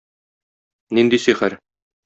Нинди сихер?